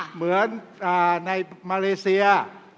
เหมือนในมาเลเซีย